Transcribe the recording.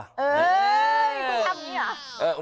คุณทำอย่างนี้หรอ